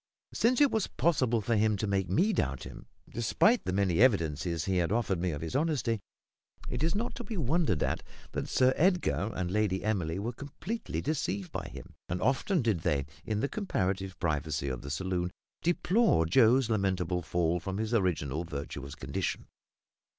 Since it was possible for him to make me doubt him, despite the many evidences he had afforded me of his honesty, it is not to be wondered at that Sir Edgar and Lady Emily were completely deceived by him; and often did they, in the comparative privacy of the saloon, deplore Joe's lamentable fall from his original virtuous condition.